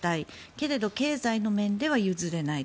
けれど経済の面では譲れない。